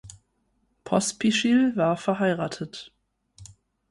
Pospischil war verheiratet.